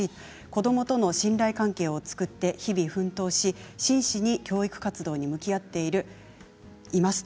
子どもとの信頼関係を作って日々奮闘し、真摯に教育活動に向き合っています。